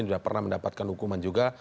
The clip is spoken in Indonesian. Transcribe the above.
sudah pernah mendapatkan hukuman juga